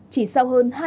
chỉ sau hơn hai h ba mươi